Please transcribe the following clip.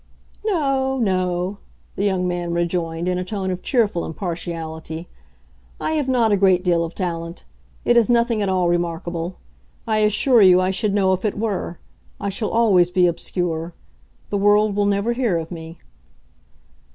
"No—no," the young man rejoined, in a tone of cheerful impartiality, "I have not a great deal of talent. It is nothing at all remarkable. I assure you I should know if it were. I shall always be obscure. The world will never hear of me."